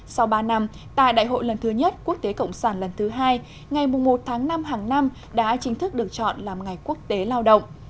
sau ba năm tại đại hội lần thứ nhất quốc tế cộng sản lần thứ hai ngày một tháng năm hàng năm đã chính thức được chọn làm ngày quốc tế lao động